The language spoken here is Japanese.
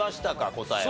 答えは。